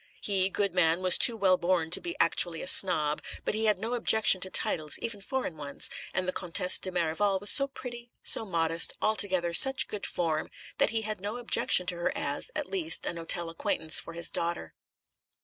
He, good man, was too well born to be actually a snob, but he had no objection to titles, even foreign ones, and the Comtesse de Merival was so pretty, so modest, altogether such good form, that he had no objection to her as, at least, an hotel acquaintance for his daughter.